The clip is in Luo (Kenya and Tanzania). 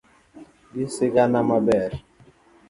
gi sigana maber